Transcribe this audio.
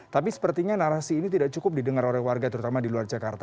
tapi sepertinya narasi ini tidak cukup didengar oleh warga terutama di luar jakarta